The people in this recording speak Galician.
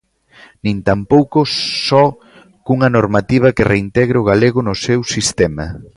Nin tampouco, só, cunha normativa que reintegre o galego no seu sistema.